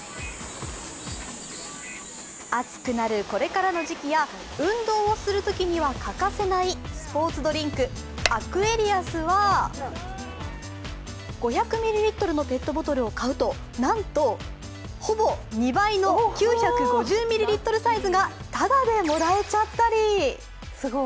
暑くなるこれからの時期や運動をするときには欠かせないスポーツドリンク、アクエリアスは５００ミリリットルのペットボトルを買うとなんと、ほぼ２倍の９５０ミリリットルサイズがただでもらえちゃったり。